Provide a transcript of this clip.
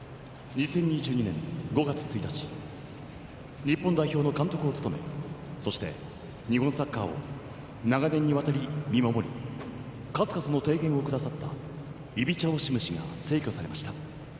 ２０２２年５月１日日本代表の監督を務めそして、日本サッカーを長年にわたり見守り数々の提言をくださったイビチャ・オシム氏が逝去されました。